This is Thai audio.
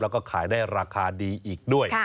แล้วก็ขายได้ราคาดีอีกด้วย